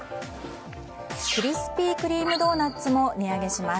クリスピー・クリーム・ドーナツも値上げします。